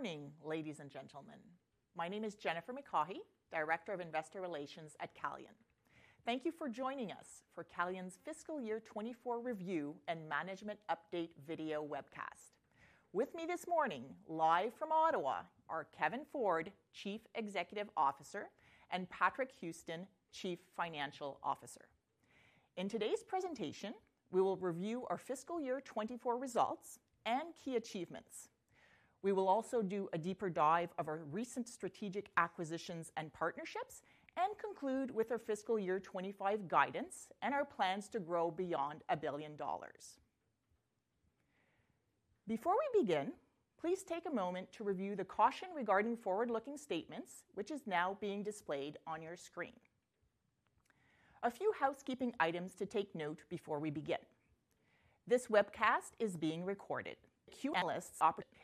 Good morning, ladies and gentlemen. My name is Jennifer McCaughey, Director of Investor Relations at Calian. Thank you for joining us for Calian's Fiscal Year 2024 Review and Management Update Video Webcast. With me this morning, live from Ottawa, are Kevin Ford, Chief Executive Officer, and Patrick Houston, Chief Financial Officer. In today's presentation, we will review our Fiscal Year 2024 Results and Key Achievements. We will also do a deeper dive of our recent strategic acquisitions and partnerships, and conclude with our Fiscal Year 2025 guidance and our plans to grow beyond $1 billion. Before we begin, please take a moment to review the caution regarding forward-looking statements, which is now being displayed on your screen. A few housekeeping items to take note before we begin. This webcast is being recorded.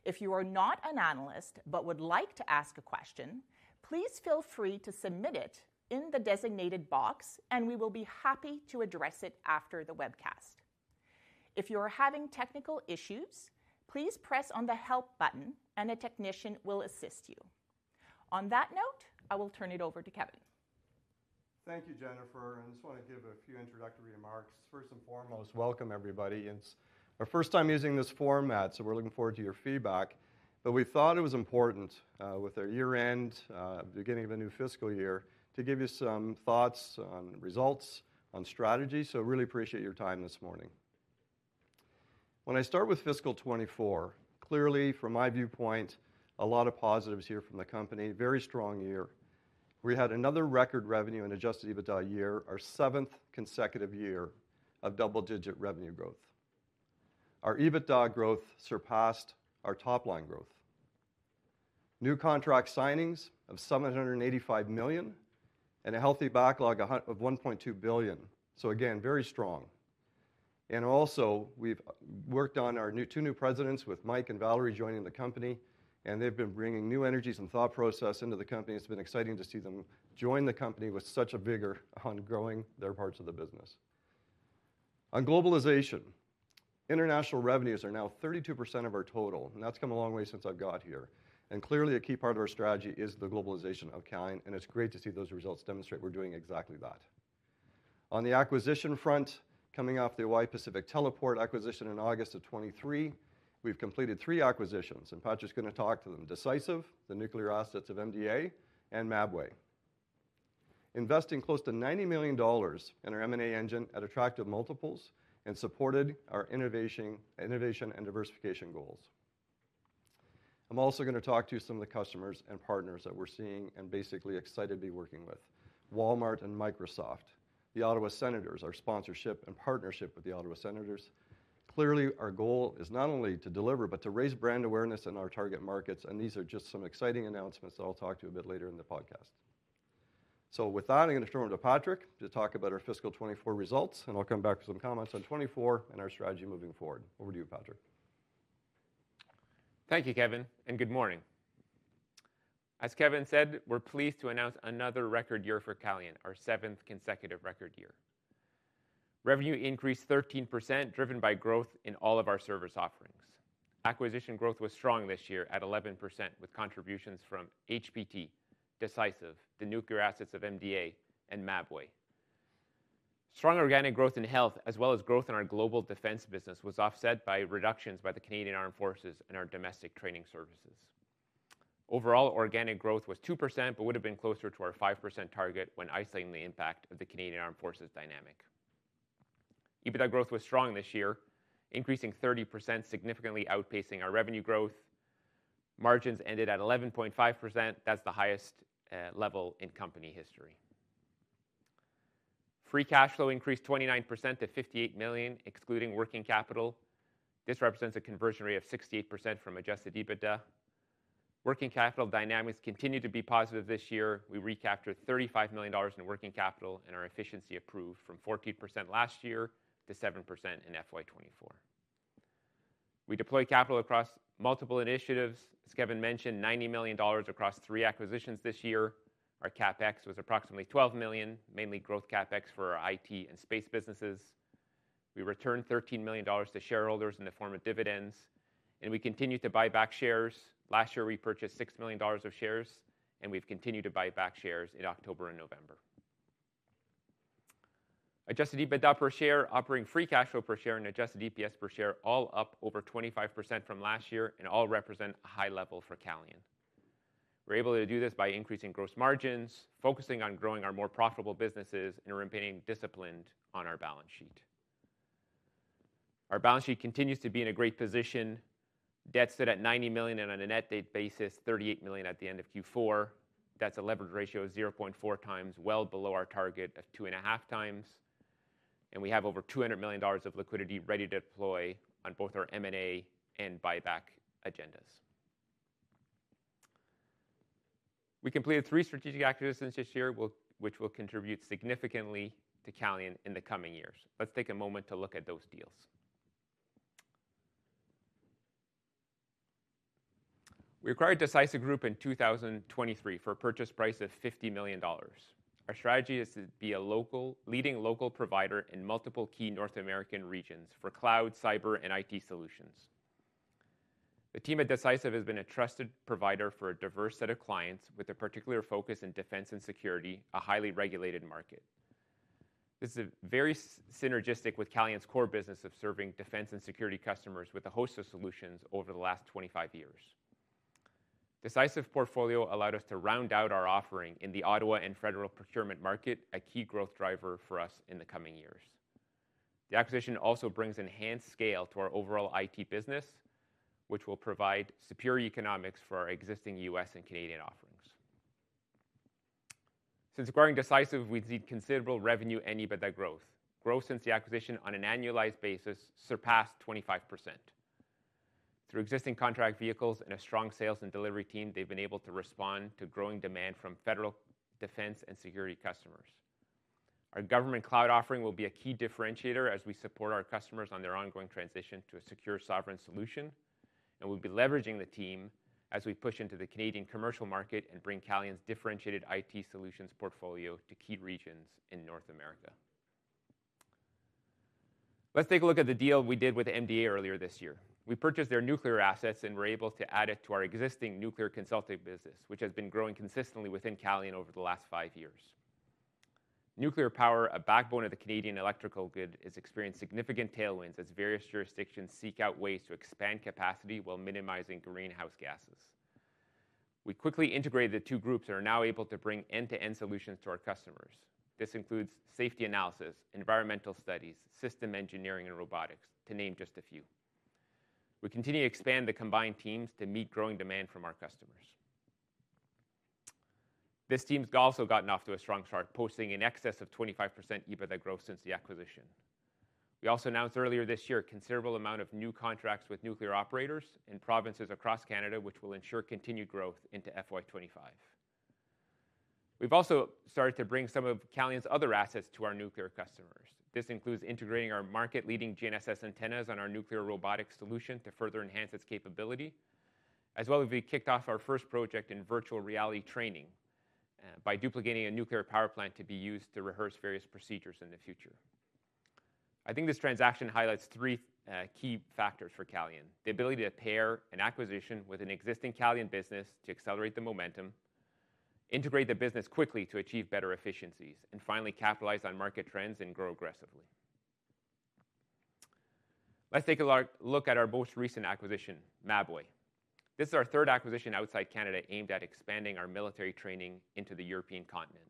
If you are not an analyst but would like to ask a question, please feel free to submit it in the designated box, and we will be happy to address it after the webcast. If you are having technical issues, please press on the Help button, and a technician will assist you. On that note, I will turn it over to Kevin. Thank you, Jennifer. I just want to give a few introductory remarks. First and foremost, welcome, everybody. It's our first time using this format, so we're looking forward to your feedback. But we thought it was important with our year-end, beginning of a new fiscal year, to give you some thoughts on results, on strategy. So I really appreciate your time this morning. When I start with Fiscal 2024, clearly, from my viewpoint, a lot of positives here from the company. Very strong year. We had another record revenue in adjusted EBITDA year, our seventh consecutive year of double-digit revenue growth. Our EBITDA growth surpassed our top-line growth. New contract signings of 785 million and a healthy backlog of 1.2 billion. So again, very strong. And also, we've worked on our two new presidents with Mike and Valerie joining the company, and they've been bringing new energies and thought process into the company. It's been exciting to see them join the company with such a vigor on growing their parts of the business. On globalization, international revenues are now 32% of our total, and that's come a long way since I've got here. And clearly, a key part of our strategy is the globalization of Calian, and it's great to see those results demonstrate we're doing exactly that. On the acquisition front, coming off the Hawaii-Pacific Teleport acquisition in August of 2023, we've completed three acquisitions, and Patrick's going to talk to them: Decisive, the nuclear assets of MDA, and Mabway. Investing close to 90 million dollars in our M&A engine at attractive multiples and supported our innovation and diversification goals. I'm also going to talk to some of the customers and partners that we're seeing and basically excited to be working with: Walmart and Microsoft, the Ottawa Senators, our sponsorship and partnership with the Ottawa Senators. Clearly, our goal is not only to deliver, but to raise brand awareness in our target markets, and these are just some exciting announcements that I'll talk to you about later in the podcast. So with that, I'm going to turn it over to Patrick to talk about our Fiscal '24 results, and I'll come back with some comments on '24 and our strategy moving forward. Over to you, Patrick. Thank you, Kevin, and good morning. As Kevin said, we're pleased to announce another record year for Calian, our seventh consecutive record year. Revenue increased 13%, driven by growth in all of our service offerings. Acquisition growth was strong this year at 11%, with contributions from HPT, Decisive, the nuclear assets of MDA, and Mabway. Strong organic growth in health, as well as growth in our global defense business, was offset by reductions by the Canadian Armed Forces and our domestic training services. Overall, organic growth was 2%, but would have been closer to our 5% target when isolating the impact of the Canadian Armed Forces dynamic. EBITDA growth was strong this year, increasing 30%, significantly outpacing our revenue growth. Margins ended at 11.5%. That's the highest level in company history. Free cash flow increased 29% to 58 million, excluding working capital. This represents a conversion rate of 68% from Adjusted EBITDA. Working capital dynamics continue to be positive this year. We recaptured 35 million dollars in working capital and our efficiency improved from 14% last year to 7% in FY 2024. We deployed capital across multiple initiatives. As Kevin mentioned, 90 million dollars across three acquisitions this year. Our CapEx was approximately 12 million, mainly growth CapEx for our IT and space businesses. We returned 13 million dollars to shareholders in the form of dividends, and we continue to buy back shares. Last year, we purchased 6 million dollars of shares, and we've continued to buy back shares in October and November. Adjusted EBITDA per share, Operating Free Cash Flow per share, and Adjusted EPS per share all up over 25% from last year, and all represent a high level for Calian. We're able to do this by increasing gross margins, focusing on growing our more profitable businesses, and remaining disciplined on our balance sheet. Our balance sheet continues to be in a great position. Debt stood at 90 million on a net debt basis, 38 million at the end of Q4. That's a leverage ratio of 0.4 times, well below our target of 2.5 times. And we have over 200 million dollars of liquidity ready to deploy on both our M&A and buyback agendas. We completed three strategic acquisitions this year, which will contribute significantly to Calian in the coming years. Let's take a moment to look at those deals. We acquired Decisive Group in 2023 for a purchase price of 50 million dollars. Our strategy is to be a leading local provider in multiple key North American regions for cloud, cyber, and IT solutions. The team at Decisive has been a trusted provider for a diverse set of clients, with a particular focus in defense and security, a highly regulated market. This is very synergistic with Calian's core business of serving defense and security customers with a host of solutions over the last 25 years. Decisive's portfolio allowed us to round out our offering in the Ottawa and federal procurement market, a key growth driver for us in the coming years. The acquisition also brings enhanced scale to our overall IT business, which will provide superior economics for our existing U.S. and Canadian offerings. Since acquiring Decisive, we've seen considerable revenue and EBITDA growth. Growth since the acquisition on an annualized basis surpassed 25%. Through existing contract vehicles and a strong sales and delivery team, they've been able to respond to growing demand from federal defense and security customers. Our government cloud offering will be a key differentiator as we support our customers on their ongoing transition to a secure, sovereign solution, and we'll be leveraging the team as we push into the Canadian commercial market and bring Calian's differentiated IT solutions portfolio to key regions in North America. Let's take a look at the deal we did with MDA earlier this year. We purchased their nuclear assets and were able to add it to our existing nuclear consulting business, which has been growing consistently within Calian over the last five years. Nuclear power, a backbone of the Canadian electrical grid, has experienced significant tailwinds as various jurisdictions seek out ways to expand capacity while minimizing greenhouse gases. We quickly integrated the two groups and are now able to bring end-to-end solutions to our customers. This includes safety analysis, environmental studies, system engineering, and robotics, to name just a few. We continue to expand the combined teams to meet growing demand from our customers. This team's also gotten off to a strong start, posting an excess of 25% EBITDA growth since the acquisition. We also announced earlier this year a considerable amount of new contracts with nuclear operators in provinces across Canada, which will ensure continued growth into FY 2025. We've also started to bring some of Calian's other assets to our nuclear customers. This includes integrating our market-leading GNSS antennas on our nuclear robotics solution to further enhance its capability, as well as we kicked off our first project in virtual reality training by duplicating a nuclear power plant to be used to rehearse various procedures in the future. I think this transaction highlights three key factors for Calian: the ability to pair an acquisition with an existing Calian business to accelerate the momentum, integrate the business quickly to achieve better efficiencies, and finally, capitalize on market trends and grow aggressively. Let's take a look at our most recent acquisition, Mabway. This is our third acquisition outside Canada aimed at expanding our military training into the European continent.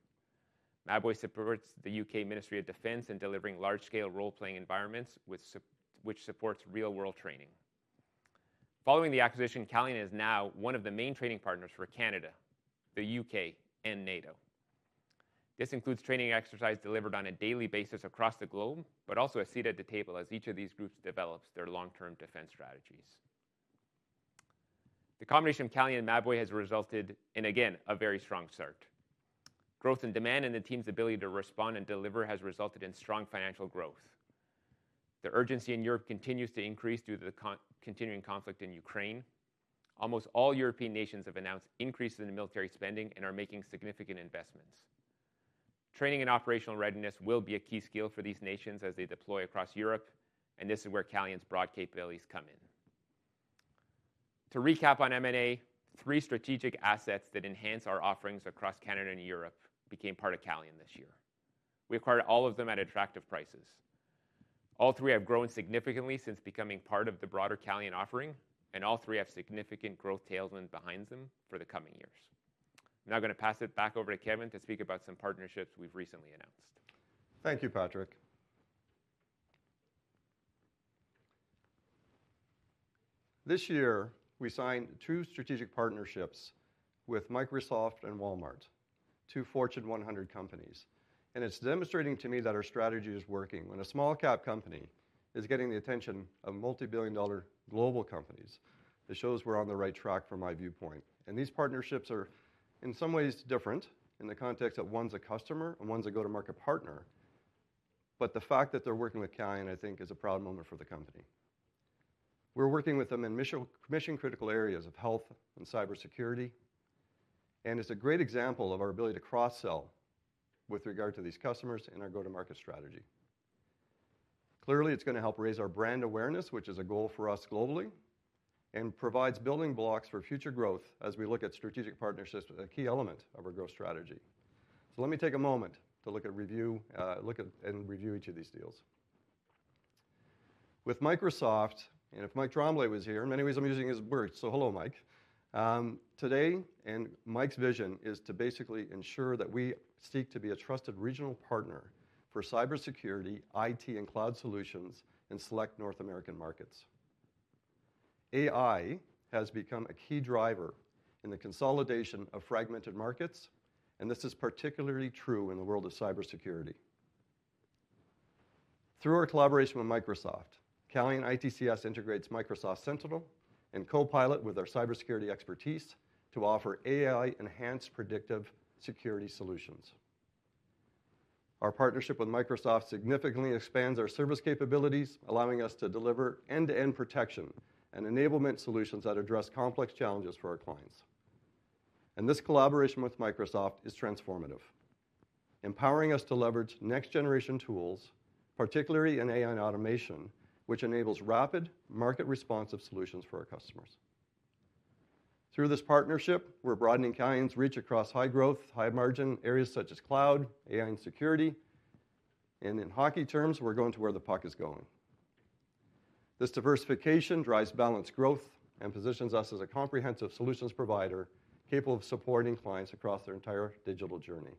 Mabway supports the UK Ministry of Defence in delivering large-scale role-playing environments, which supports real-world training. Following the acquisition, Calian is now one of the main training partners for Canada, the UK, and NATO. This includes training exercises delivered on a daily basis across the globe, but also a seat at the table as each of these groups develops their long-term defense strategies. The combination of Calian and Mabway has resulted in, again, a very strong start. Growth in demand and the team's ability to respond and deliver has resulted in strong financial growth. The urgency in Europe continues to increase due to the continuing conflict in Ukraine. Almost all European nations have announced increases in military spending and are making significant investments. Training and operational readiness will be a key skill for these nations as they deploy across Europe, and this is where Calian's broad capabilities come in. To recap on M&A, three strategic assets that enhance our offerings across Canada and Europe became part of Calian this year. We acquired all of them at attractive prices. All three have grown significantly since becoming part of the broader Calian offering, and all three have significant growth tailwinds behind them for the coming years. I'm now going to pass it back over to Kevin to speak about some partnerships we've recently announced. Thank you, Patrick. This year, we signed two strategic partnerships with Microsoft and Walmart, two Fortune 100 companies, and it's demonstrating to me that our strategy is working. When a small-cap company is getting the attention of multi-billion-dollar global companies, it shows we're on the right track from my viewpoint, and these partnerships are in some ways different in the context of one's a customer and one's a go-to-market partner, but the fact that they're working with Calian, I think, is a proud moment for the company. We're working with them in mission-critical areas of health and cybersecurity, and it's a great example of our ability to cross-sell with regard to these customers in our go-to-market strategy. Clearly, it's going to help raise our brand awareness, which is a goal for us globally, and provides building blocks for future growth as we look at strategic partnerships as a key element of our growth strategy. So let me take a moment to look at and review each of these deals. With Microsoft, and if Mike Tremblay was here, in many ways I'm using his words, so hello, Mike. Today, and Mike's vision is to basically ensure that we seek to be a trusted regional partner for cybersecurity, IT, and cloud solutions in select North American markets. AI has become a key driver in the consolidation of fragmented markets, and this is particularly true in the world of cybersecurity. Through our collaboration with Microsoft, Calian ITCS integrates Microsoft Sentinel and Copilot with our cybersecurity expertise to offer AI-enhanced predictive security solutions. Our partnership with Microsoft significantly expands our service capabilities, allowing us to deliver end-to-end protection and enablement solutions that address complex challenges for our clients, and this collaboration with Microsoft is transformative, empowering us to leverage next-generation tools, particularly in AI and automation, which enables rapid, market-responsive solutions for our customers. Through this partnership, we're broadening Calian's reach across high-growth, high-margin areas such as cloud, AI, and security, and in hockey terms, we're going to where the puck is going. This diversification drives balanced growth and positions us as a comprehensive solutions provider capable of supporting clients across their entire digital journey,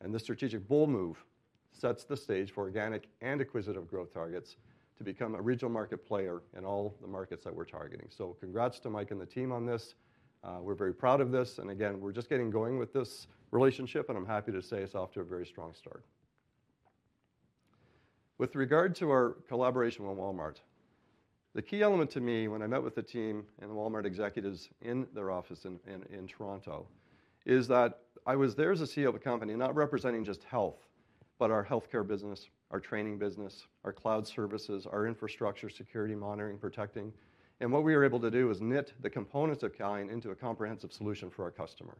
and this strategic bold move sets the stage for organic and acquisitive growth targets to become a regional market player in all the markets that we're targeting, so congrats to Mike and the team on this. We're very proud of this. And again, we're just getting going with this relationship, and I'm happy to say it's off to a very strong start. With regard to our collaboration with Walmart, the key element to me when I met with the team and the Walmart executives in their office in Toronto is that I was there as a CEO of a company not representing just health, but our healthcare business, our training business, our cloud services, our infrastructure security monitoring, protecting. And what we were able to do is knit the components of Calian into a comprehensive solution for our customer.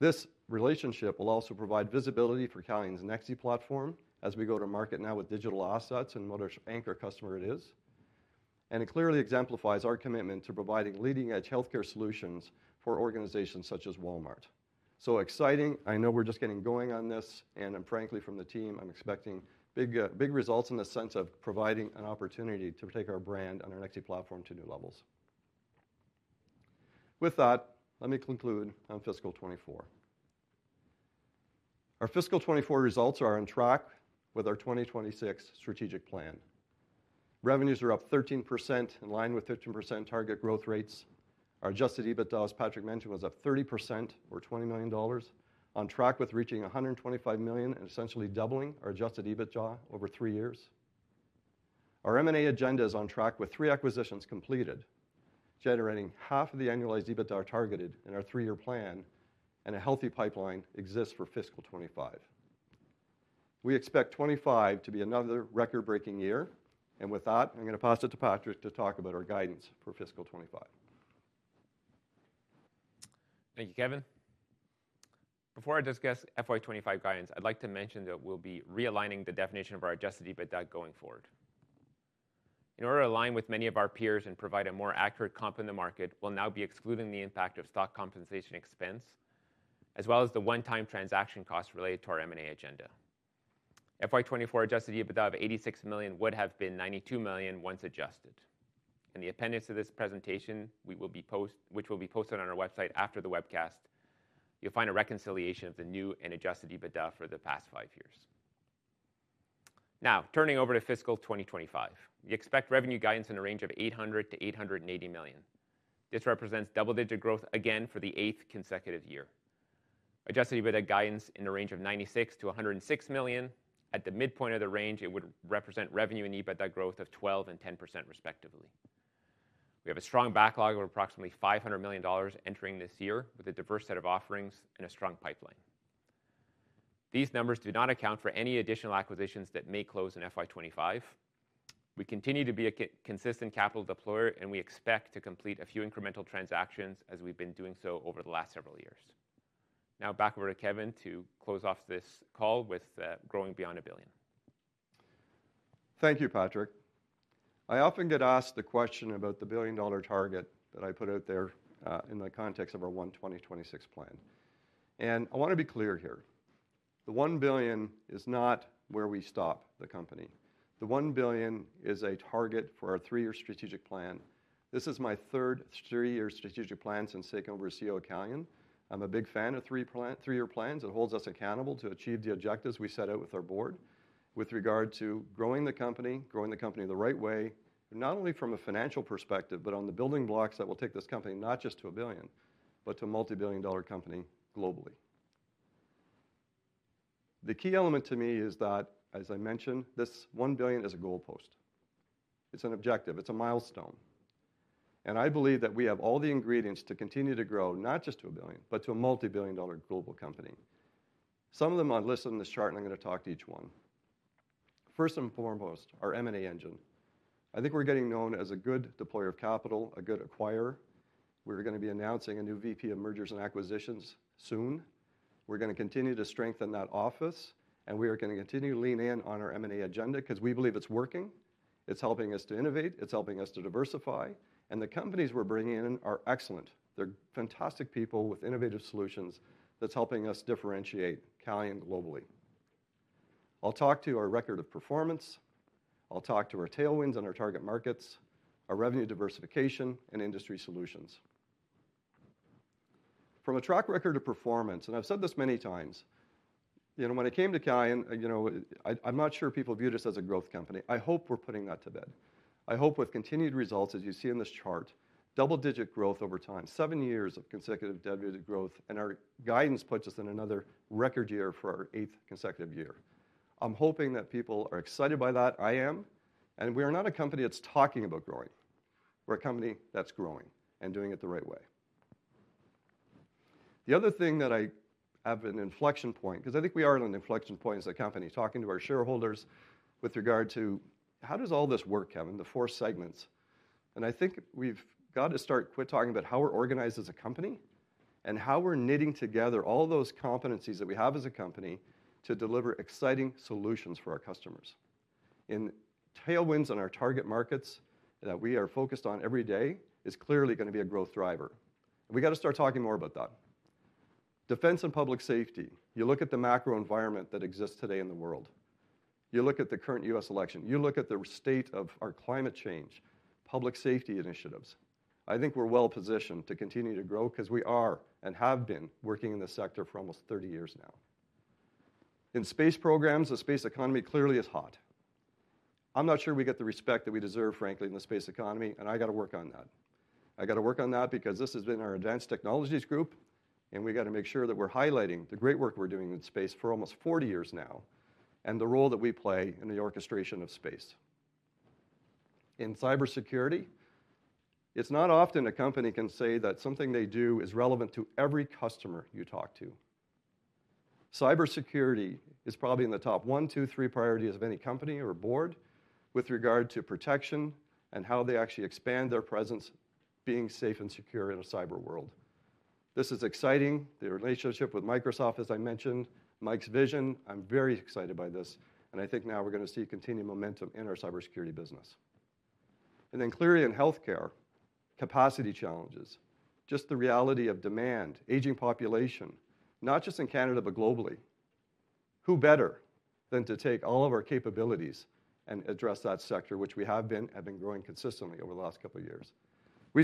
This relationship will also provide visibility for Calian's Nexi platform as we go to market now with digital assets and what our anchor customer it is. And it clearly exemplifies our commitment to providing leading-edge healthcare solutions for organizations such as Walmart. So exciting. I know we're just getting going on this, and frankly, from the team, I'm expecting big results in the sense of providing an opportunity to take our brand and our Nexi platform to new levels. With that, let me conclude on fiscal 2024. Our fiscal 2024 results are on track with our 2026 strategic plan. Revenues are up 13% in line with 15% target growth rates. Our adjusted EBITDA as Patrick mentioned was up 30% or 20 million dollars, on track with reaching 125 million and essentially doubling our adjusted EBITDA over three years. Our M&A agenda is on track with three acquisitions completed, generating half of the annualized EBITDA targeted in our three-year plan, and a healthy pipeline exists for fiscal 2025. We expect 2025 to be another record-breaking year. And with that, I'm going to pass it to Patrick to talk about our guidance for fiscal 2025. Thank you, Kevin. Before I discuss FY 2025 guidance, I'd like to mention that we'll be realigning the definition of our adjusted EBITDA going forward. In order to align with many of our peers and provide a more accurate comp in the market, we'll now be excluding the impact of stock compensation expense, as well as the one-time transaction costs related to our M&A agenda. FY 2024 adjusted EBITDA of 86 million would have been 92 million once adjusted. In the appendix to this presentation, which will be posted on our website after the webcast, you'll find a reconciliation of the new and adjusted EBITDA for the past five years. Now, turning over to fiscal 2025, we expect revenue guidance in the range of 800-880 million. This represents double-digit growth again for the eighth consecutive year. Adjusted EBITDA guidance in the range of 96-106 million. At the midpoint of the range, it would represent revenue and EBITDA growth of 12% and 10%, respectively. We have a strong backlog of approximately 500 million dollars entering this year with a diverse set of offerings and a strong pipeline. These numbers do not account for any additional acquisitions that may close in FY 2025. We continue to be a consistent capital deployer, and we expect to complete a few incremental transactions as we've been doing so over the last several years. Now, back over to Kevin to close off this call with growing beyond a billion. Thank you, Patrick. I often get asked the question about the billion-dollar target that I put out there in the context of our One-2026 plan. And I want to be clear here. The one billion is not where we stop the company. The one billion is a target for our three-year strategic plan. This is my third three-year strategic plan since taking over CEO of Calian. I'm a big fan of three-year plans. It holds us accountable to achieve the objectives we set out with our board with regard to growing the company, growing the company the right way, not only from a financial perspective, but on the building blocks that will take this company not just to a billion, but to a multi-billion-dollar company globally. The key element to me is that, as I mentioned, this one billion is a goalpost. It's an objective. It's a milestone. I believe that we have all the ingredients to continue to grow not just to a billion, but to a multi-billion-dollar global company. Some of them are listed in this chart, and I'm going to talk to each one. First and foremost, our M&A engine. I think we're getting known as a good deployer of capital, a good acquirer. We're going to be announcing a new VP of Mergers and Acquisitions soon. We're going to continue to strengthen that office, and we are going to continue to lean in on our M&A agenda because we believe it's working. It's helping us to innovate. It's helping us to diversify. And the companies we're bringing in are excellent. They're fantastic people with innovative solutions that's helping us differentiate Calian globally. I'll talk to our record of performance. I'll talk to our tailwinds and our target markets, our revenue diversification, and industry solutions. From a track record of performance, and I've said this many times, when it came to Calian, I'm not sure people viewed us as a growth company. I hope we're putting that to bed. I hope with continued results, as you see in this chart, double-digit growth over time, seven years of consecutive EBITDA growth, and our guidance puts us in another record year for our eighth consecutive year. I'm hoping that people are excited by that. I am. And we are not a company that's talking about growing. We're a company that's growing and doing it the right way. The other thing that I have an inflection point, because I think we are at an inflection point as a company, talking to our shareholders with regard to how does all this work, Kevin, the four segments, and I think we've got to quit talking about how we're organized as a company and how we're knitting together all those competencies that we have as a company to deliver exciting solutions for our customers, and tailwinds in our target markets that we are focused on every day is clearly going to be a growth driver, and we got to start talking more about that. Defense and public safety. You look at the macro environment that exists today in the world. You look at the current U.S. election. You look at the state of our climate change, public safety initiatives. I think we're well positioned to continue to grow because we are and have been working in this sector for almost 30 years now. In space programs, the space economy clearly is hot. I'm not sure we get the respect that we deserve, frankly, in the space economy, and I got to work on that. I got to work on that because this has been our advanced technologies group, and we got to make sure that we're highlighting the great work we're doing in space for almost 40 years now and the role that we play in the orchestration of space. In cybersecurity, it's not often a company can say that something they do is relevant to every customer you talk to. Cybersecurity is probably in the top one, two, three priorities of any company or board with regard to protection and how they actually expand their presence, being safe and secure in a cyber world. This is exciting. The relationship with Microsoft, as I mentioned, Mike's vision. I'm very excited by this. And I think now we're going to see continued momentum in our cybersecurity business. And then clearly in healthcare, capacity challenges, just the reality of demand, aging population, not just in Canada, but globally. Who better than to take all of our capabilities and address that sector, which we have been growing consistently over the last couple of years. We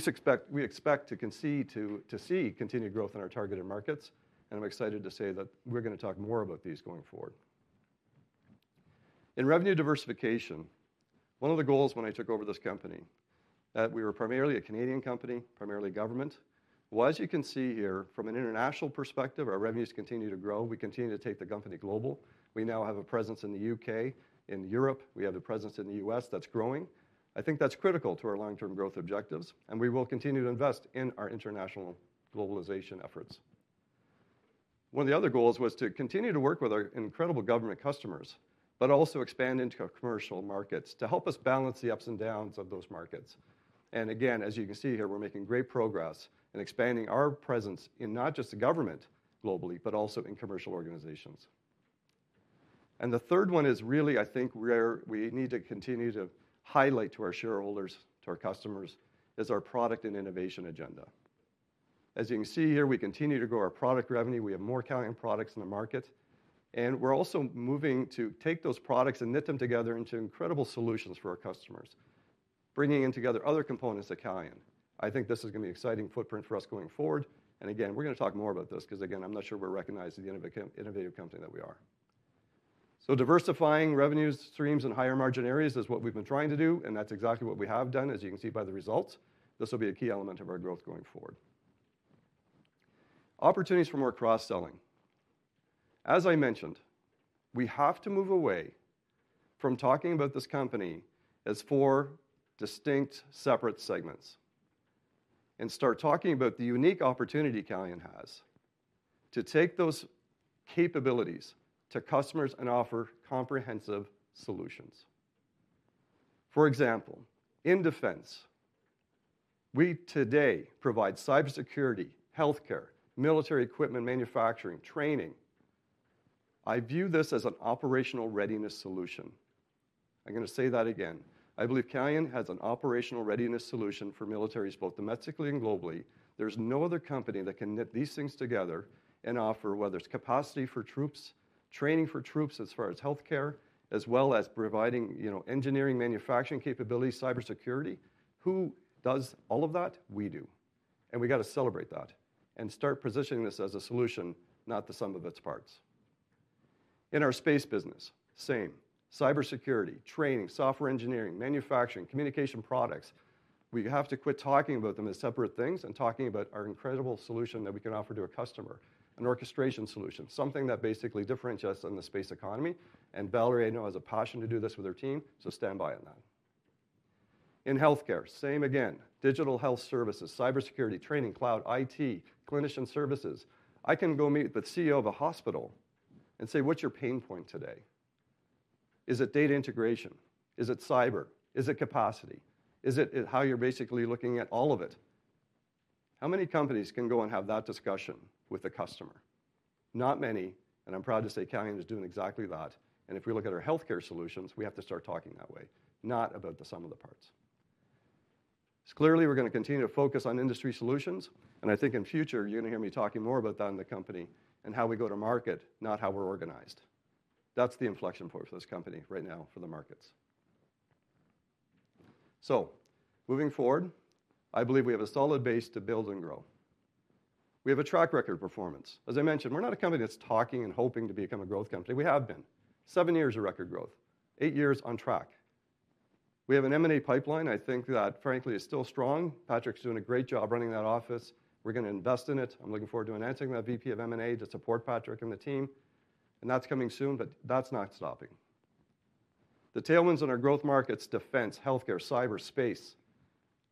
expect to see continued growth in our targeted markets, and I'm excited to say that we're going to talk more about these going forward. In revenue diversification, one of the goals when I took over this company, that we were primarily a Canadian company, primarily government, was, you can see here, from an international perspective, our revenues continue to grow. We continue to take the company global. We now have a presence in the U.K., in Europe. We have a presence in the U.S. that's growing. I think that's critical to our long-term growth objectives, and we will continue to invest in our international globalization efforts. One of the other goals was to continue to work with our incredible government customers, but also expand into commercial markets to help us balance the ups and downs of those markets, and again, as you can see here, we're making great progress in expanding our presence in not just the government globally, but also in commercial organizations. And the third one is really, I think, where we need to continue to highlight to our shareholders, to our customers, is our product and innovation agenda. As you can see here, we continue to grow our product revenue. We have more Calian products in the market, and we're also moving to take those products and knit them together into incredible solutions for our customers, bringing in together other components of Calian. I think this is going to be an exciting footprint for us going forward. And again, we're going to talk more about this because, again, I'm not sure we're recognized as the innovative company that we are. So diversifying revenue streams in higher margin areas is what we've been trying to do, and that's exactly what we have done, as you can see by the results. This will be a key element of our growth going forward. Opportunities for more cross-selling. As I mentioned, we have to move away from talking about this company as four distinct separate segments and start talking about the unique opportunity Calian has to take those capabilities to customers and offer comprehensive solutions. For example, in defense, we today provide cybersecurity, healthcare, military equipment manufacturing, training. I view this as an operational readiness solution. I'm going to say that again. I believe Calian has an operational readiness solution for militaries both domestically and globally. There's no other company that can knit these things together and offer whether it's capacity for troops, training for troops as far as healthcare, as well as providing engineering, manufacturing capabilities, cybersecurity. Who does all of that? We do, and we got to celebrate that and start positioning this as a solution, not the sum of its parts. In our space business, same. Cybersecurity, training, software engineering, manufacturing, communication products. We have to quit talking about them as separate things and talking about our incredible solution that we can offer to a customer, an orchestration solution, something that basically differentiates us in the space economy, and Valerie has a passion to do this with her team, so stand by on that. In healthcare, same again. Digital health services, cybersecurity, training, cloud, IT, clinician services. I can go meet with the CEO of a hospital and say, "What's your pain point today? Is it data integration? Is it cyber? Is it capacity? Is it how you're basically looking at all of it?" How many companies can go and have that discussion with a customer? Not many, and I'm proud to say Calian is doing exactly that. And if we look at our healthcare solutions, we have to start talking that way, not about the sum of the parts. It's clearly we're going to continue to focus on industry solutions. And I think in future, you're going to hear me talking more about that in the company and how we go to market, not how we're organized. That's the inflection point for this company right now for the markets. So moving forward, I believe we have a solid base to build and grow. We have a track record performance. As I mentioned, we're not a company that's talking and hoping to become a growth company. We have been. Seven years of record growth, eight years on track. We have an M&A pipeline. I think that, frankly, is still strong. Patrick's doing a great job running that office. We're going to invest in it. I'm looking forward to announcing that VP of M&A to support Patrick and the team, and that's coming soon, but that's not stopping. The tailwinds in our growth markets, defense, healthcare, cyberspace,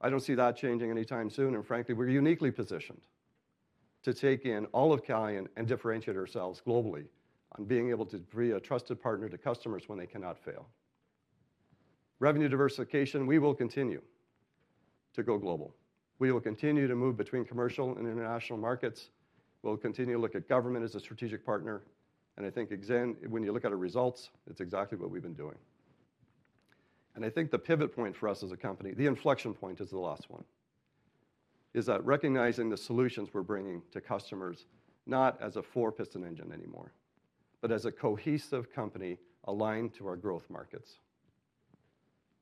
I don't see that changing anytime soon, and frankly, we're uniquely positioned to take in all of Calian and differentiate ourselves globally on being able to be a trusted partner to customers when they cannot fail. Revenue diversification, we will continue to go global. We will continue to move between commercial and international markets. We'll continue to look at government as a strategic partner, and I think when you look at our results, it's exactly what we've been doing. I think the pivot point for us as a company, the inflection point is the last one, is that recognizing the solutions we're bringing to customers, not as a four-piston engine anymore, but as a cohesive company aligned to our growth markets.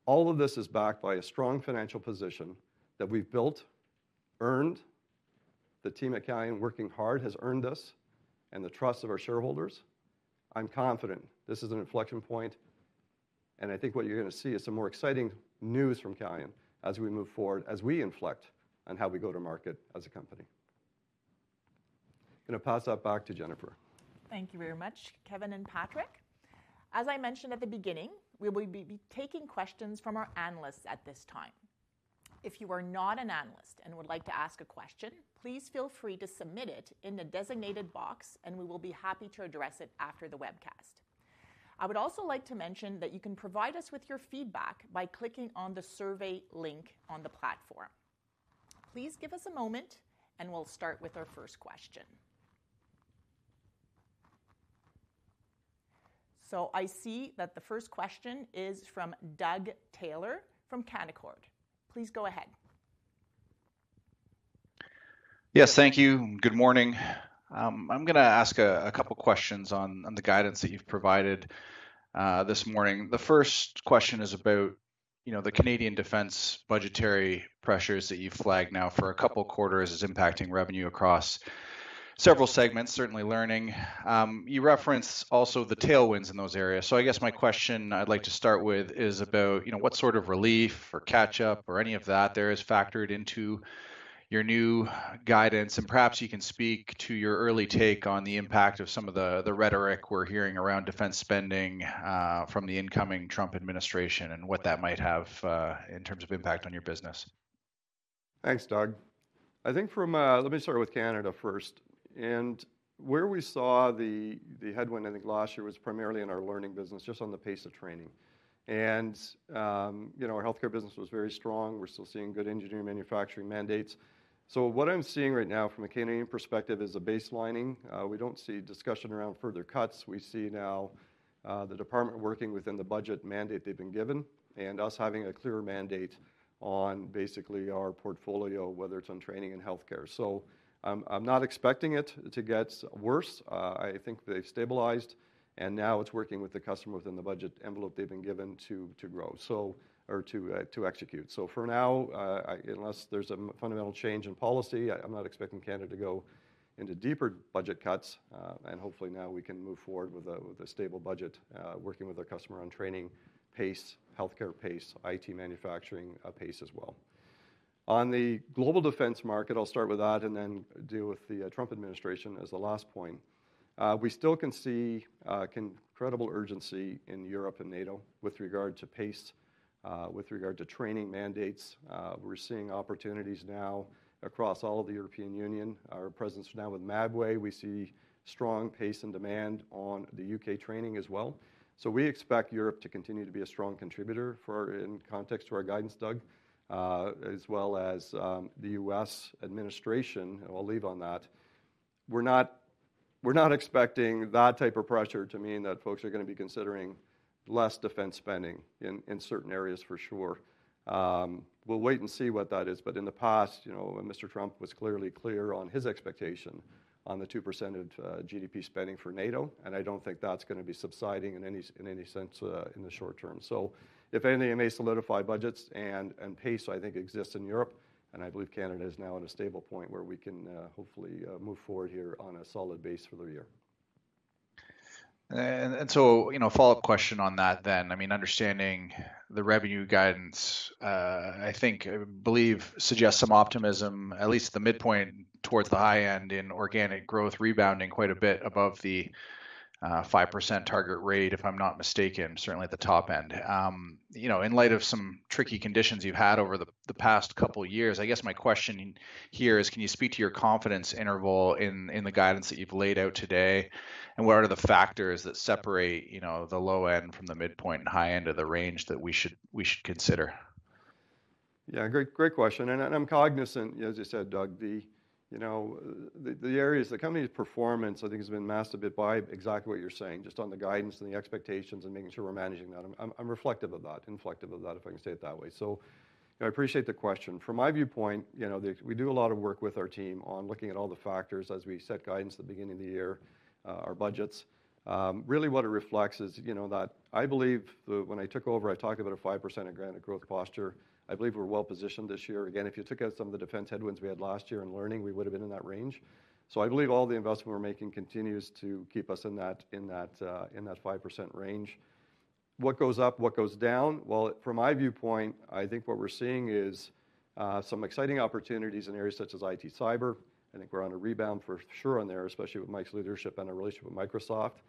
All of this is backed by a strong financial position that we've built, earned. The team at Calian working hard has earned this and the trust of our shareholders. I'm confident this is an inflection point. I think what you're going to see is some more exciting news from Calian as we move forward, as we inflect on how we go to market as a company. I'm going to pass that back to Jennifer. Thank you very much, Kevin and Patrick. As I mentioned at the beginning, we will be taking questions from our analysts at this time. If you are not an analyst and would like to ask a question, please feel free to submit it in the designated box, and we will be happy to address it after the webcast. I would also like to mention that you can provide us with your feedback by clicking on the survey link on the platform. Please give us a moment, and we'll start with our first question, so I see that the first question is from Doug Taylor from Canaccord. Please go ahead. Yes, thank you. Good morning. I'm going to ask a couple of questions on the guidance that you've provided this morning. The first question is about the Canadian defense budgetary pressures that you've flagged now for a couple of quarters is impacting revenue across several segments, certainly learning. You referenced also the tailwinds in those areas. So I guess my question I'd like to start with is about what sort of relief or catch-up or any of that there is factored into your new guidance. And perhaps you can speak to your early take on the impact of some of the rhetoric we're hearing around defense spending from the incoming Trump administration and what that might have in terms of impact on your business. Thanks, Doug. I think, let me start with Canada first, and where we saw the headwind, I think last year was primarily in our learning business, just on the pace of training. Our healthcare business was very strong. We're still seeing good engineering manufacturing mandates. So what I'm seeing right now from a Canadian perspective is a baselining. We don't see discussion around further cuts. We see now the department working within the budget mandate they've been given and us having a clear mandate on basically our portfolio, whether it's on training and healthcare. So I'm not expecting it to get worse. I think they've stabilized, and now it's working with the customer within the budget envelope they've been given to grow or to execute. So for now, unless there's a fundamental change in policy, I'm not expecting Canada to go into deeper budget cuts. And hopefully now we can move forward with a stable budget, working with our customer on training pace, healthcare pace, IT manufacturing pace as well. On the global defense market, I'll start with that and then deal with the Trump administration as the last point. We still can see incredible urgency in Europe and NATO with regard to pace, with regard to training mandates. We're seeing opportunities now across all of the European Union. Our presence now with Mabway, we see strong pace and demand on the U.K. training as well. So we expect Europe to continue to be a strong contributor in context to our guidance, Doug, as well as the U.S. administration. I'll leave on that. We're not expecting that type of pressure to mean that folks are going to be considering less defense spending in certain areas, for sure. We'll wait and see what that is. But in the past, Mr. Trump was clearly clear on his expectation on the 2% of GDP spending for NATO, and I don't think that's going to be subsiding in any sense in the short term. So if anything, it may solidify budgets and pace, I think, exists in Europe. And I believe Canada is now at a stable point where we can hopefully move forward here on a solid base for the year. And so, follow-up question on that, then. I mean, understanding the revenue guidance, I think, I believe suggests some optimism, at least the midpoint towards the high end in organic growth rebounding quite a bit above the 5% target rate, if I'm not mistaken, certainly at the top end. In light of some tricky conditions you've had over the past couple of years, I guess my question here is, can you speak to your confidence interval in the guidance that you've laid out today? And what are the factors that separate the low end from the midpoint and high end of the range that we should consider? Yeah, great question, and I'm cognizant, as you said, Doug, the areas, the company's performance, I think, has been masked a bit by exactly what you're saying, just on the guidance and the expectations and making sure we're managing that. I'm reflective of that, indicative of that, if I can say it that way, so I appreciate the question. From my viewpoint, we do a lot of work with our team on looking at all the factors as we set guidance at the beginning of the year, our budgets. Really what it reflects is that I believe when I took over, I talked about a 5% organic growth posture. I believe we're well positioned this year. Again, if you took out some of the defense headwinds we had last year and learning, we would have been in that range. So I believe all the investment we're making continues to keep us in that 5% range. What goes up, what goes down? Well, from my viewpoint, I think what we're seeing is some exciting opportunities in areas such as IT cyber. I think we're on a rebound for sure on there, especially with Mike's leadership and our relationship with Microsoft.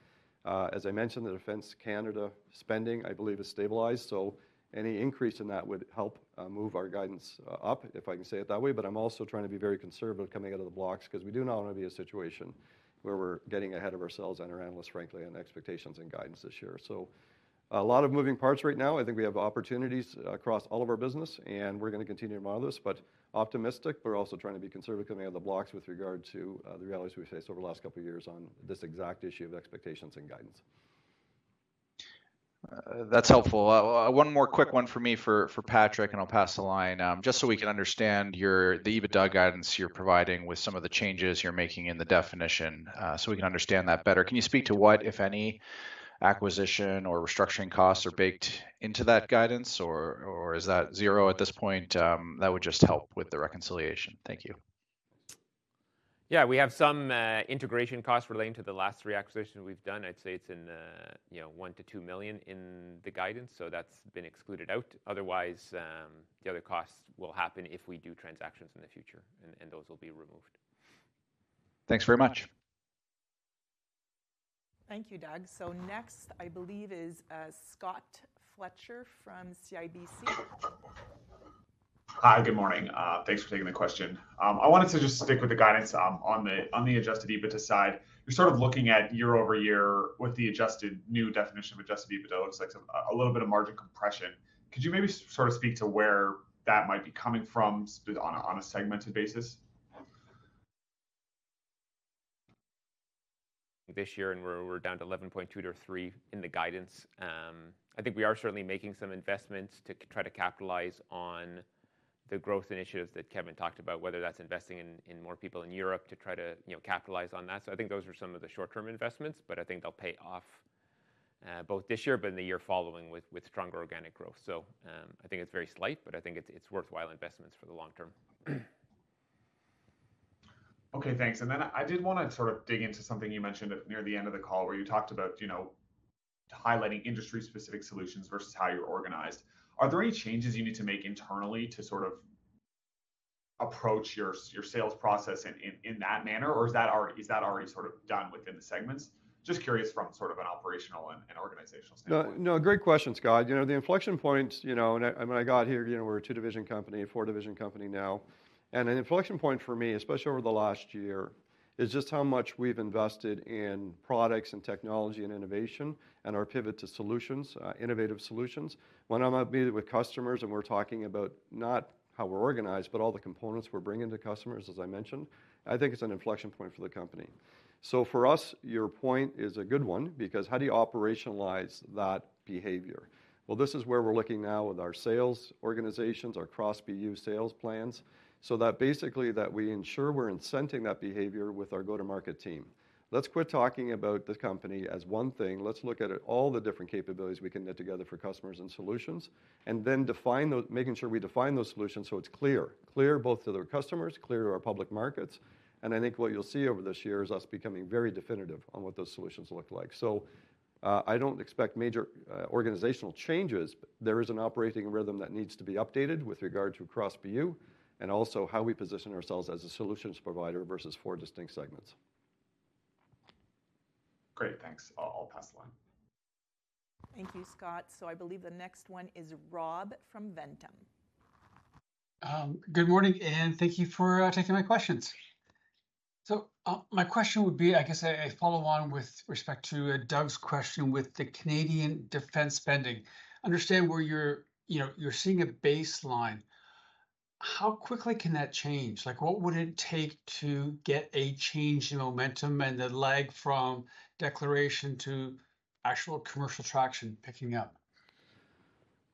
As I mentioned, the defense Canada spending, I believe, has stabilized. So any increase in that would help move our guidance up, if I can say it that way. But I'm also trying to be very conservative coming out of the blocks because we do not want to be in a situation where we're getting ahead of ourselves and our analysts, frankly, on expectations and guidance this year. So a lot of moving parts right now. I think we have opportunities across all of our business, and we're going to continue to monitor this, but optimistic, but also trying to be conservative coming out of the blocks with regard to the realities we've faced over the last couple of years on this exact issue of expectations and guidance. That's helpful. One more quick one for me for Patrick, and I'll pass the line. Just so we can understand the EBITDA guidance you're providing with some of the changes you're making in the definition so we can understand that better. Can you speak to what, if any, acquisition or restructuring costs are baked into that guidance, or is that zero at this point? That would just help with the reconciliation. Thank you. Yeah, we have some integration costs relating to the last three acquisitions we've done. I'd say it's $1 million-$2 million in the guidance, so that's been excluded out. Otherwise, the other costs will happen if we do transactions in the future, and those will be removed. Thanks very much. Thank you, Doug. So next, I believe, is Scott Fletcher from CIBC. Hi, good morning. Thanks for taking the question. I wanted to just stick with the guidance on the Adjusted EBITDA side. You're sort of looking at year-over-year with the adjusted new definition of Adjusted EBITDA, it looks like a little bit of margin compression. Could you maybe sort of speak to where that might be coming from on a segmented basis? This year, and we're down to 11.2-3 in the guidance. I think we are certainly making some investments to try to capitalize on the growth initiatives that Kevin talked about, whether that's investing in more people in Europe to try to capitalize on that. So I think those are some of the short-term investments, but I think they'll pay off both this year, but in the year following with stronger organic growth. So I think it's very slight, but I think it's worthwhile investments for the long term. Okay, thanks. And then I did want to sort of dig into something you mentioned near the end of the call where you talked about highlighting industry-specific solutions versus how you're organized. Are there any changes you need to make internally to sort of approach your sales process in that manner, or is that already sort of done within the segments? Just curious from sort of an operational and organizational standpoint. No, great question, Scott. The inflection point, when I got here, we're a two-division company, a four-division company now. And an inflection point for me, especially over the last year, is just how much we've invested in products and technology and innovation and our pivot to solutions, innovative solutions. When I'm up meeting with customers and we're talking about not how we're organized, but all the components we're bringing to customers, as I mentioned, I think it's an inflection point for the company. So for us, your point is a good one because how do you operationalize that behavior? Well, this is where we're looking now with our sales organizations, our cross BU sales plans, so that basically that we ensure we're incenting that behavior with our go-to-market team. Let's quit talking about the company as one thing. Let's look at all the different capabilities we can net together for customers and solutions, and then making sure we define those solutions so it's clear, clear both to their customers, clear to our public markets, and I think what you'll see over this year is us becoming very definitive on what those solutions look like, so I don't expect major organizational changes. There is an operating rhythm that needs to be updated with regard to cross BU and also how we position ourselves as a solutions provider versus four distinct segments. Great, thanks. I'll pass the line. Thank you, Scott. So I believe the next one is Rob from Ventum. Good morning, and thank you for taking my questions. So my question would be, I guess I follow on with respect to Doug's question with the Canadian defense spending. I understand where you're seeing a baseline. How quickly can that change? What would it take to get a change in momentum and the lag from declaration to actual commercial traction picking up?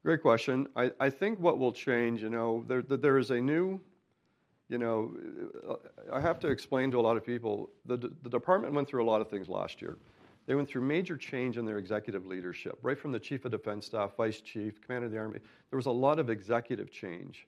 Great question. I think what will change, there is a new I have to explain to a lot of people. The department went through a lot of things last year. They went through major change in their executive leadership, right from the Chief of Defence Staff, Vice Chief, Commander of the Army. There was a lot of executive change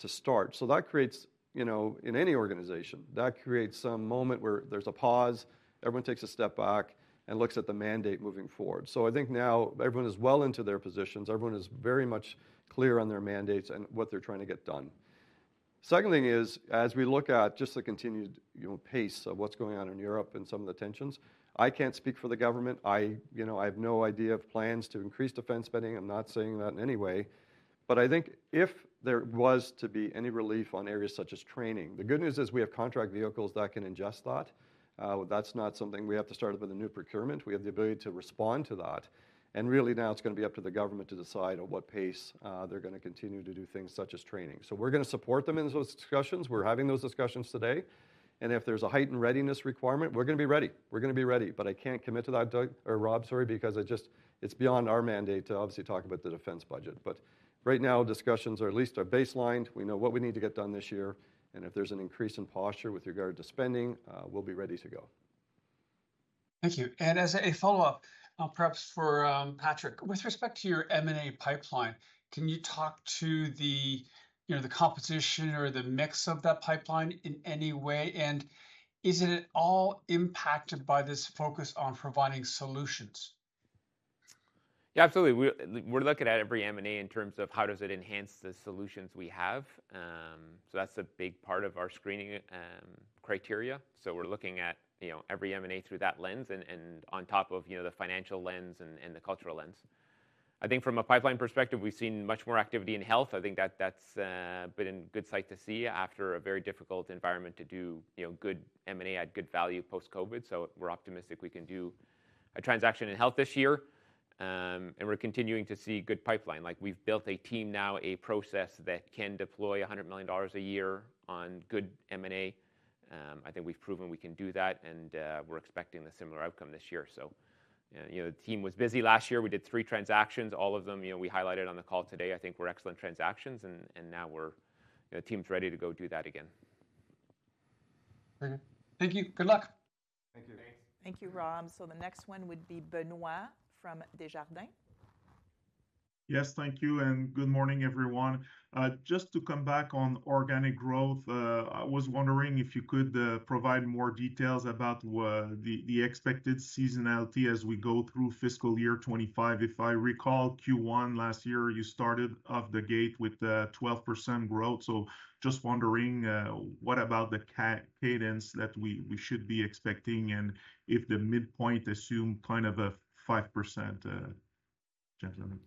to start, so that creates, in any organization, that creates some moment where there's a pause. Everyone takes a step back and looks at the mandate moving forward, so I think now everyone is well into their positions. Everyone is very much clear on their mandates and what they're trying to get done. Second thing is, as we look at just the continued pace of what's going on in Europe and some of the tensions, I can't speak for the government. I have no idea of plans to increase defense spending. I'm not saying that in any way, but I think if there was to be any relief on areas such as training, the good news is we have contract vehicles that can ingest that. That's not something we have to start up with a new procurement. We have the ability to respond to that, and really now it's going to be up to the government to decide at what pace they're going to continue to do things such as training, so we're going to support them in those discussions. We're having those discussions today, and if there's a heightened readiness requirement, we're going to be ready. We're going to be ready, but I can't commit to that, Doug or Rob, sorry, because it's beyond our mandate to obviously talk about the defense budget, but right now, discussions are at least baseline. We know what we need to get done this year. And if there's an increase in posture with regard to spending, we'll be ready to go. Thank you. And as a follow-up, perhaps for Patrick, with respect to your M&A pipeline, can you talk to the composition or the mix of that pipeline in any way? And is it at all impacted by this focus on providing solutions? Yeah, absolutely. We're looking at every M&A in terms of how does it enhance the solutions we have. So that's a big part of our screening criteria. So we're looking at every M&A through that lens and on top of the financial lens and the cultural lens. I think from a pipeline perspective, we've seen much more activity in health. I think that's been a good sight to see after a very difficult environment to do good M&A at good value post-COVID. So we're optimistic we can do a transaction in health this year. And we're continuing to see good pipeline. We've built a team now, a process that can deploy 100 million dollars a year on good M&A. I think we've proven we can do that, and we're expecting a similar outcome this year. So the team was busy last year. We did three transactions. All of them we highlighted on the call today. I think they're excellent transactions, and now the team's ready to go do that again. Thank you. Good luck. Thank you. Thanks. Thank you, Rob. So the next one would be Benoit from Desjardins. Yes, thank you. Good morning, everyone. Just to come back on organic growth, I was wondering if you could provide more details about the expected seasonality as we go through Fiscal Year 2025. If I recall, Q1 last year, you started off the gate with 12% growth. So just wondering, what about the cadence that we should be expecting and if the midpoint assumed kind of a 5% gentleman?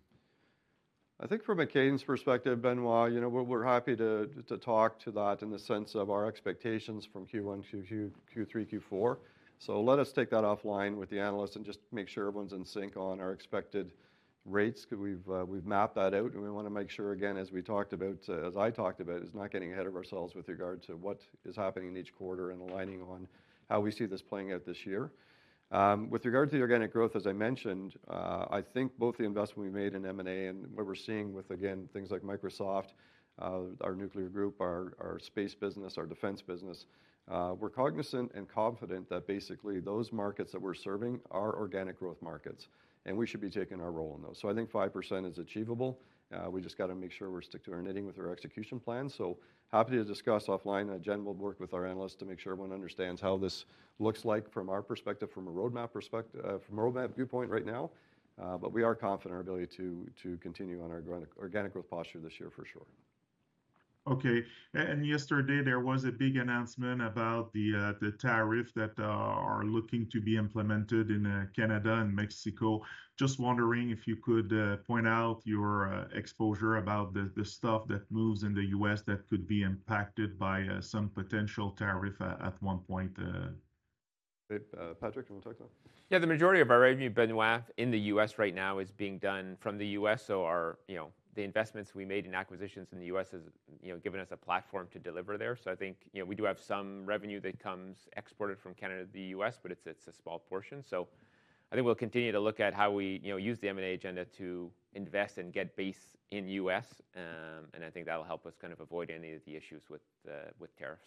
I think from a cadence perspective, Benoit, we're happy to talk to that in the sense of our expectations from Q1 to Q3, Q4. So let us take that offline with the analysts and just make sure everyone's in sync on our expected rates because we've mapped that out, and we want to make sure, again, as we talked about, as I talked about, is not getting ahead of ourselves with regard to what is happening in each quarter and aligning on how we see this playing out this year. With regard to the organic growth, as I mentioned, I think both the investment we made in M&A and what we're seeing with, again, things like Microsoft, our nuclear group, our space business, our defense business, we're cognizant and confident that basically those markets that we're serving are organic growth markets, and we should be taking our role in those. So I think 5% is achievable. We just got to make sure we're sticking to our knitting with our execution plan. So happy to discuss offline. A gentleman will work with our analysts to make sure everyone understands how this looks like from our perspective, from a roadmap perspective, from a roadmap viewpoint right now. But we are confident in our ability to continue on our organic growth posture this year for sure. Okay. And yesterday, there was a big announcement about the tariffs that are looking to be implemented in Canada and Mexico. Just wondering if you could point out your exposure about the stuff that moves in the U.S. that could be impacted by some potential tariff at one point. Patrick, do you want to talk to that? Yeah, the majority of our revenue, Benoit, in the U.S. right now is being done from the U.S. So the investments we made in acquisitions in the U.S. has given us a platform to deliver there. So I think we do have some revenue that comes exported from Canada to the U.S., but it's a small portion. So I think we'll continue to look at how we use the M&A agenda to invest and get base in the U.S. And I think that'll help us kind of avoid any of the issues with tariffs.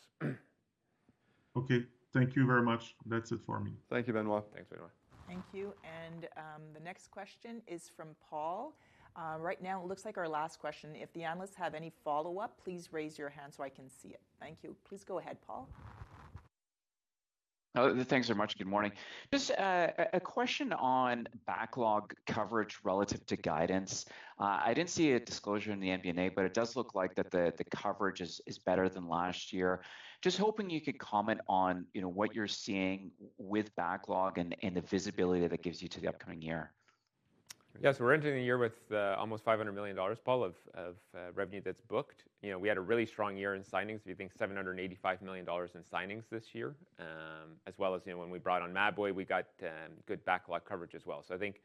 Okay. Thank you very much. That's it for me. Thank you, Benoit. Thanks, Benoit. Thank you, and the next question is from Paul. Right now, it looks like our last question. If the analysts have any follow-up, please raise your hand so I can see it. Thank you. Please go ahead, Paul. Thanks very much. Good morning. Just a question on backlog coverage relative to guidance. I didn't see a disclosure in the MD&A, but it does look like that the coverage is better than last year. Just hoping you could comment on what you're seeing with backlog and the visibility that it gives you to the upcoming year. Yeah, so we're entering the year with almost 500 million dollars, Paul, of revenue that's booked. We had a really strong year in signings. We think 785 million dollars in signings this year, as well as when we brought on Mabway, we got good backlog coverage as well. So I think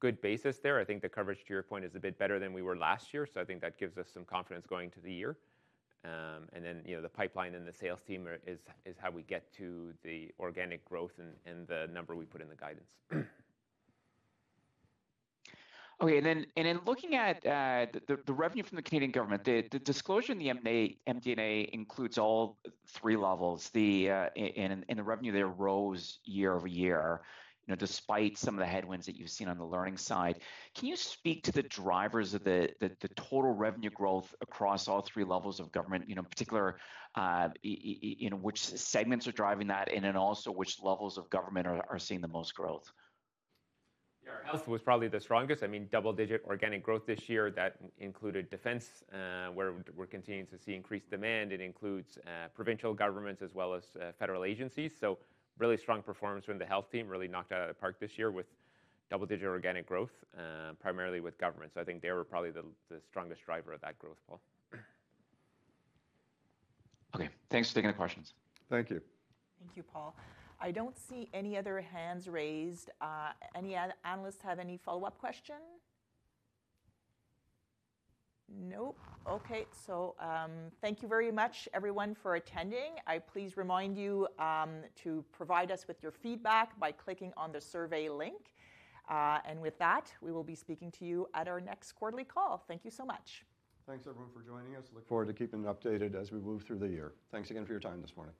good basis there. I think the coverage, to your point, is a bit better than we were last year. So I think that gives us some confidence going into the year. And then the pipeline and the sales team is how we get to the organic growth and the number we put in the guidance. Okay. And then looking at the revenue from the Canadian government, the disclosure in the MD&A includes all three levels. In the revenue, there rose year-over year, despite some of the headwinds that you've seen on the learning side. Can you speak to the drivers of the total revenue growth across all three levels of government, particularly which segments are driving that, and then also which levels of government are seeing the most growth? Yeah. Health was probably the strongest. I mean, double-digit organic growth this year that included defense, where we're continuing to see increased demand. It includes provincial governments as well as federal agencies. So, really strong performance from the health team, really knocked out of the park this year with double-digit organic growth, primarily with government. So, I think they were probably the strongest driver of that growth, Paul. Okay. Thanks for taking the questions. Thank you. Thank you, Paul. I don't see any other hands raised. Any analysts have any follow-up question? Nope. Okay. So thank you very much, everyone, for attending. I please remind you to provide us with your feedback by clicking on the survey link. And with that, we will be speaking to you at our next quarterly call. Thank you so much. Thanks, everyone, for joining us. Look forward to keeping it updated as we move through the year. Thanks again for your time this morning.